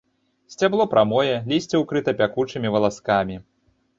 Сцябло прамое, лісце ўкрыта пякучымі валаскамі.